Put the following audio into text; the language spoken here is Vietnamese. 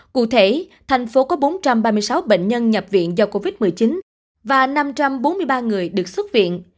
cụ thể thành phố có bốn trăm ba mươi sáu bệnh nhân nhập viện do covid một mươi chín và năm trăm bốn mươi ba người được xuất viện